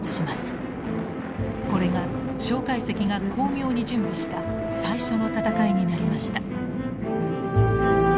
これが介石が巧妙に準備した最初の戦いになりました。